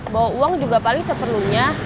bawa uang juga paling sepenuhnya